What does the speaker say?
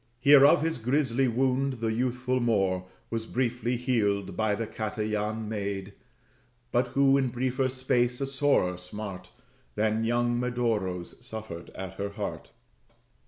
Here of his grisly wound the youthful Moor Was briefly healed by the Catayan maid; But who in briefer space, a sorer smart Than young Medoro's, suffered at her heart.